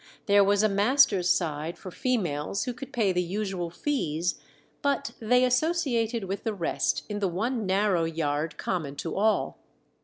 There was a master's side for females who could pay the usual fees, but they associated with the rest in the one narrow yard common to all.